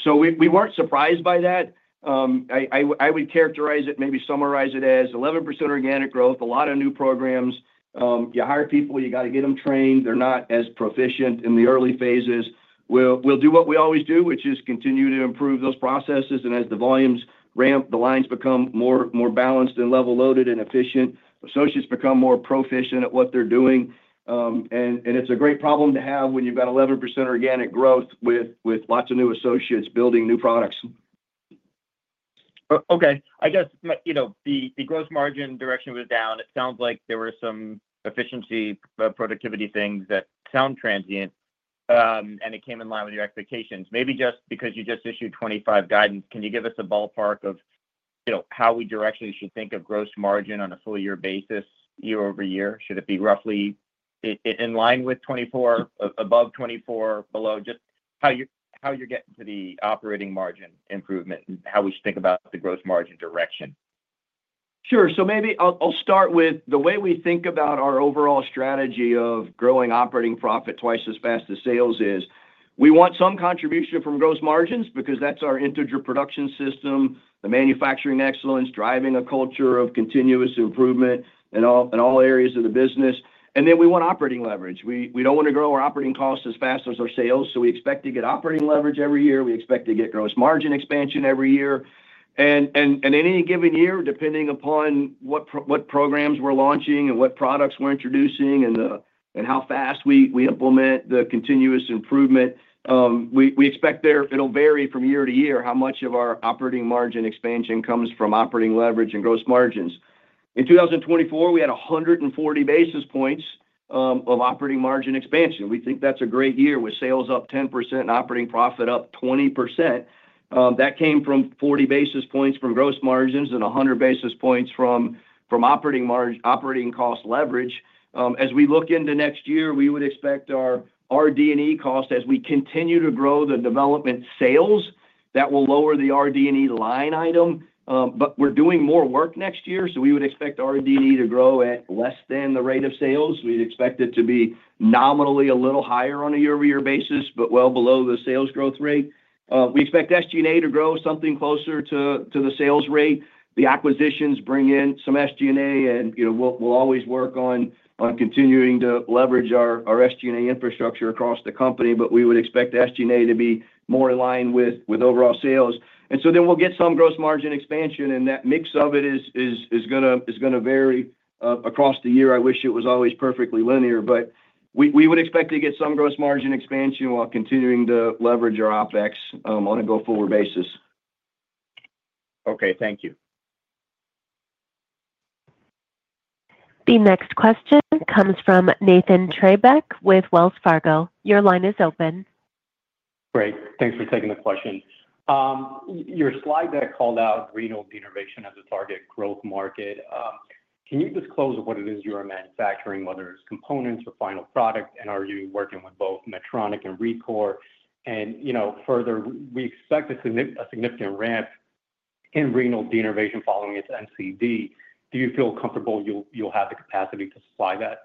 Speaker 3: So we weren't surprised by that. I would characterize it, maybe summarize it as 11% organic growth, a lot of new programs. You hire people, you got to get them trained. They're not as proficient in the early phases. We'll do what we always do, which is continue to improve those processes. And as the volumes ramp, the lines become more balanced and level loaded and efficient. Associates become more proficient at what they're doing. And it's a great problem to have when you've got 11% organic growth with lots of new associates building new products.
Speaker 8: Okay. I guess the gross margin direction was down. It sounds like there were some efficiency, productivity things that sound transient, and it came in line with your expectations. Maybe just because you just issued 2025 guidance, can you give us a ballpark of how we directly should think of gross margin on a full-year basis, year over year? Should it be roughly in line with 2024, above 2024, below? Just how you're getting to the operating margin improvement and how we should think about the gross margin direction.
Speaker 4: Sure. So maybe I'll start with the way we think about our overall strategy of growing operating profit twice as fast as sales is. We want some contribution from gross margins because that's our Integer Production System, the manufacturing excellence, driving a culture of continuous improvement in all areas of the business. And then we want operating leverage. We don't want to grow our operating costs as fast as our sales. So we expect to get operating leverage every year. We expect to get gross margin expansion every year. And in any given year, depending upon what programs we're launching and what products we're introducing and how fast we implement the continuous improvement, we expect it'll vary from year to year how much of our operating margin expansion comes from operating leverage and gross margins. In 2024, we had 140 basis points of operating margin expansion. We think that's a great year with sales up 10% and operating profit up 20%. That came from 40 basis points from gross margins and 100 basis points from operating cost leverage. As we look into next year, we would expect our RD&E cost, as we continue to grow the development sales, that will lower the RD&E line item. But we're doing more work next year, so we would expect RD&E to grow at less than the rate of sales. We'd expect it to be nominally a little higher on a year-over-year basis, but well below the sales growth rate. We expect SG&A to grow something closer to the sales rate. The acquisitions bring in some SG&A, and we'll always work on continuing to leverage our SG&A infrastructure across the company, but we would expect SG&A to be more in line with overall sales. And so then we'll get some gross margin expansion, and that mix of it is going to vary across the year. I wish it was always perfectly linear, but we would expect to get some gross margin expansion while continuing to leverage our OpEx on a go-forward basis.
Speaker 8: Okay. Thank you.
Speaker 1: The next question comes from Nathan Treybeck with Wells Fargo. Your line is open.
Speaker 9: Great. Thanks for taking the question. Your slide that I called out, renal denervation as a target growth market. Can you disclose what it is you're manufacturing, whether it's components or final product? And are you working with both Medtronic and ReCor? And further, we expect a significant ramp in renal denervation following its MCD. Do you feel comfortable you'll have the capacity to supply that?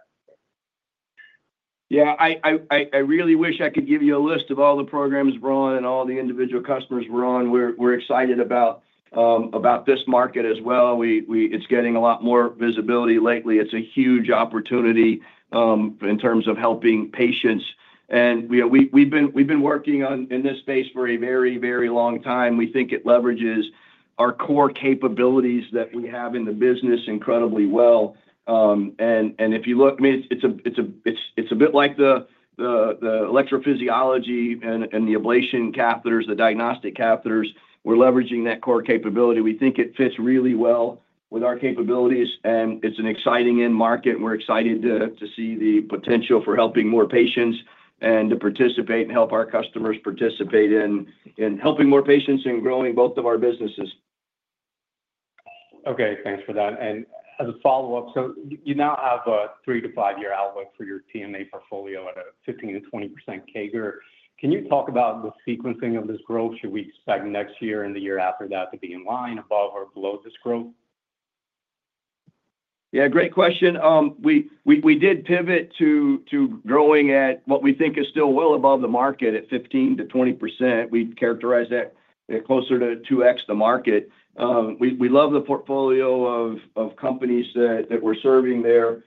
Speaker 3: Yeah. I really wish I could give you a list of all the programs we're on and all the individual customers we're on. We're excited about this market as well. It's getting a lot more visibility lately. It's a huge opportunity in terms of helping patients, and we've been working in this space for a very, very long time. We think it leverages our core capabilities that we have in the business incredibly well, and if you look, I mean, it's a bit like the electrophysiology and the ablation catheters, the diagnostic catheters. We're leveraging that core capability. We think it fits really well with our capabilities, and it's an exciting end market. We're excited to see the potential for helping more patients and to participate and help our customers participate in helping more patients and growing both of our businesses.
Speaker 9: Okay. Thanks for that. As a follow-up, so you now have a three- to five-year outlook for your T&M portfolio at a 15% to 20% CAGR. Can you talk about the sequencing of this growth? Should we expect next year and the year after that to be in line above or below this growth?
Speaker 3: Yeah. Great question. We did pivot to growing at what we think is still well above the market at 15% to 20%. We characterize that closer to 2x the market. We love the portfolio of companies that we're serving there.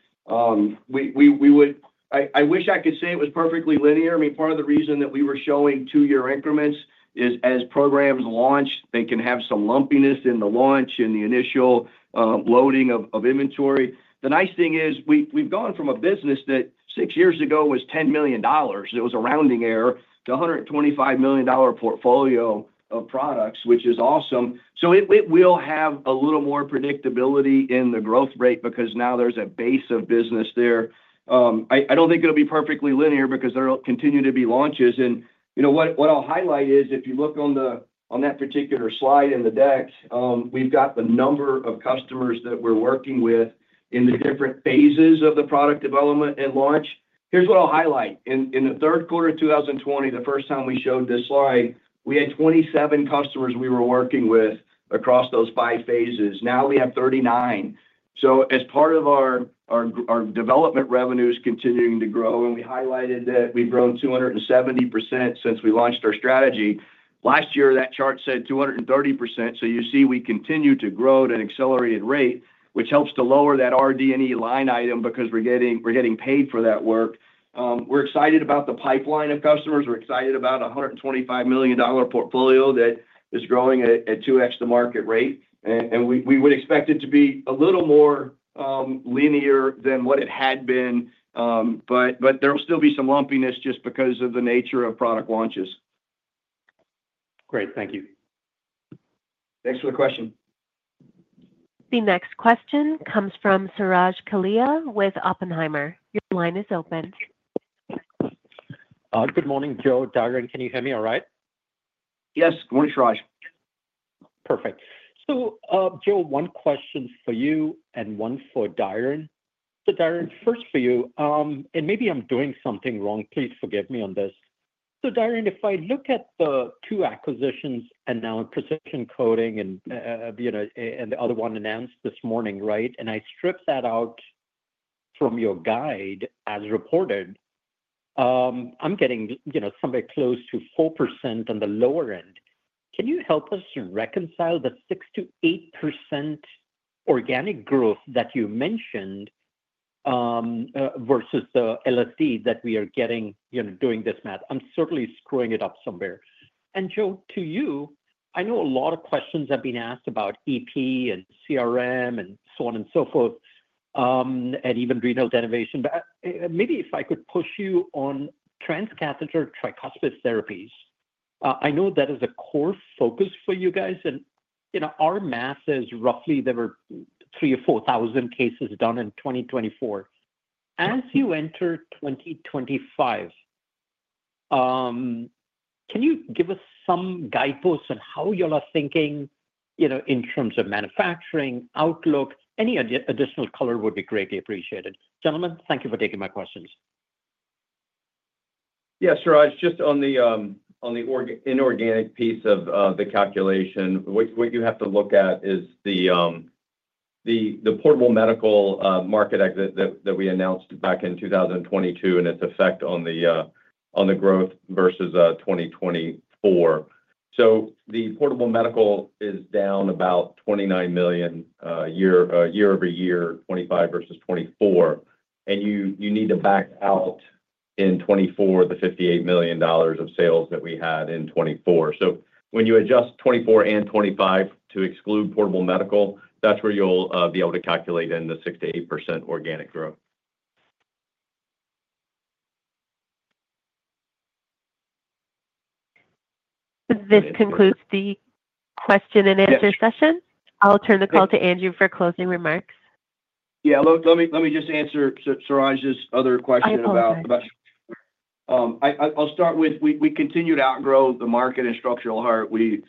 Speaker 3: I wish I could say it was perfectly linear. I mean, part of the reason that we were showing two-year increments is as programs launch, they can have some lumpiness in the launch and the initial loading of inventory. The nice thing is we've gone from a business that six years ago was $10 million. It was a rounding error to a $125 million portfolio of products, which is awesome. So it will have a little more predictability in the growth rate because now there's a base of business there. I don't think it'll be perfectly linear because there will continue to be launches, and what I'll highlight is if you look on that particular slide in the deck, we've got the number of customers that we're working with in the different phases of the product development and launch. Here's what I'll highlight. In the Q3 of 2020, the first time we showed this slide, we had 27 customers we were working with across those five phases. Now we have 39, so as part of our development revenues continuing to grow, and we highlighted that we've grown 270% since we launched our strategy. Last year, that chart said 230%. So you see we continue to grow at an accelerated rate, which helps to lower that RD&E line item because we're getting paid for that work. We're excited about the pipeline of customers. We're excited about a $125 million portfolio that is growing at 2x the market rate. And we would expect it to be a little more linear than what it had been, but there will still be some lumpiness just because of the nature of product launches.
Speaker 9: Great. Thank you.
Speaker 3: Thanks for the question.
Speaker 1: The next question comes from Suraj Kalia with Oppenheimer. Your line is open.
Speaker 10: Good morning, Joe, Diron, can you hear me all right?
Speaker 3: Yes. Good morning, Suraj.
Speaker 10: Perfect. So, Joe, one question for you and one for Diron. So, Diron, first for you, and maybe I'm doing something wrong. Please forgive me on this. So, Diron, if I look at the two acquisitions and now in Precision Coating and the other one announced this morning, right? And I stripped that out from your guide as reported, I'm getting somewhere close to 4% on the lower end. Can you help us reconcile the 6% to 8% organic growth that you mentioned versus the LSD that you are getting doing this math? I'm certainly screwing it up somewhere. And, Joe, to you, I know a lot of questions have been asked about EP and CRM and so on and so forth and even renal denervation. But maybe if I could push you on Transcatheter Tricuspid Therapies, I know that is a core focus for you guys. And our math is roughly there were 3,000 or 4,000 cases done in 2024. As you enter 2025, can you give us some guideposts on how you're thinking in terms of manufacturing, outlook? Any additional color would be greatly appreciated. Gentlemen, thank you for taking my questions.
Speaker 4: Yeah. Suraj, just on the inorganic piece of the calculation, what you have to look at is the Portable Medical market exit that we announced back in 2022 and its effect on the growth versus 2024. So the Portable Medical is down about $29 million year over year, 2025 versus 2024. And you need to back out in 2024 the $58 million of sales that we had in 2024. So when you adjust 2024 and 2025 to exclude Portable Medical, that's where you'll be able to calculate in the 6% to 8% organic growth.
Speaker 1: This concludes the question and answer session. I'll turn the call to Andrew for closing remarks.
Speaker 3: Yeah. Let me just answer Suraj's other question about. I'll start with we continued to outgrow the market in Structural Heart. We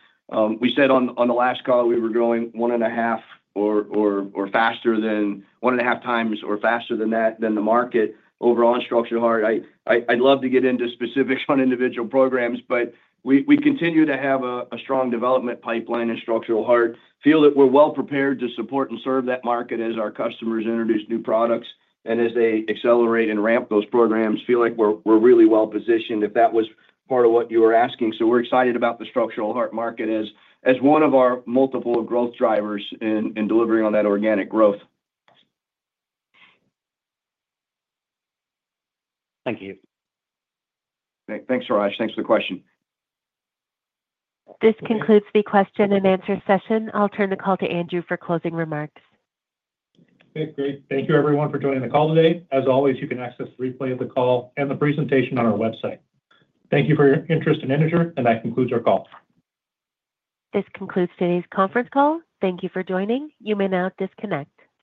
Speaker 3: said on the last call we were growing one and a half or faster than one and a half times or faster than that than the market over on Structural Heart. I'd love to get into specifics on individual programs, but we continue to have a strong development pipeline in Structural Heart. Feel that we're well prepared to support and serve that market as our customers introduce new products and as they accelerate and ramp those programs. Feel like we're really well positioned if that was part of what you were asking. So we're excited about the Structural Heart market as one of our multiple growth drivers in delivering on that organic growth.
Speaker 10: Thank you.
Speaker 3: Thanks, Suraj. Thanks for the question.
Speaker 1: This concludes the question and answer session. I'll turn the call to Andrew for closing remarks.
Speaker 2: Okay. Great. Thank you, everyone, for joining the call today. As always, you can access the replay of the call and the presentation on our website. Thank you for your interest and interest, and that concludes our call.
Speaker 1: This concludes today's conference call. Thank you for joining. You may now disconnect.